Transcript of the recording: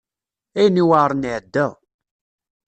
Ayen iweɛṛen iɛedda.